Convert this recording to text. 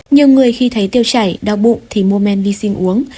nhiều người khi thấy tiêu chảy đau bụng thì mua men đi sinh uống